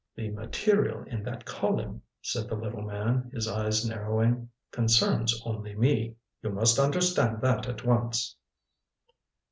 "The material in that column," said the little man, his eyes narrowing, "concerns only me. You must understand that at once."